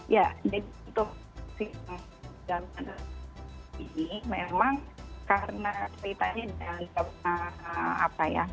ya jadi untuk si warganet ini memang karena ceritanya dalam apa ya